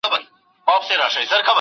تحقیق د حقایقو د موندلو لپاره اړین دی.